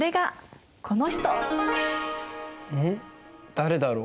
誰だろう？